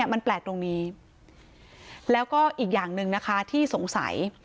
มันแปลกตรงนี้แล้วก็อีกอย่างหนึ่งนะคะที่สงสัย